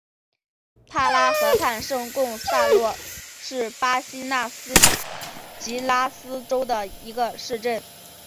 帕拉河畔圣贡萨洛是巴西米纳斯吉拉斯州的一个市镇。